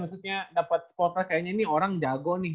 maksudnya dapet spotlight kayaknya nih orang jago nih